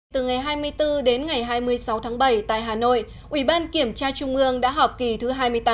từ ngày hai mươi bốn đến ngày hai mươi sáu tháng bảy tại hà nội ủy ban kiểm tra trung ương đã họp kỳ thứ hai mươi tám